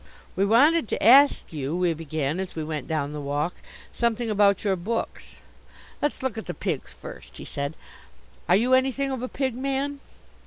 "We wanted to ask you," we began, as we went down the walk, "something about your books." "Let's look at the pigs first," he said. "Are you anything of a pig man?"